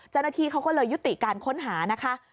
เจ้าหน้าที่เขาก็เลยยุติการค้นหานะคะ